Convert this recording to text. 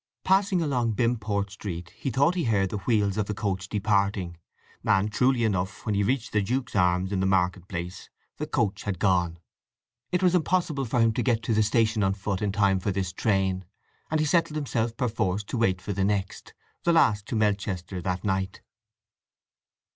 Passing along Bimport Street he thought he heard the wheels of the coach departing, and, truly enough, when he reached the Duke's Arms in the Market Place the coach had gone. It was impossible for him to get to the station on foot in time for this train, and he settled himself perforce to wait for the next—the last to Melchester that night.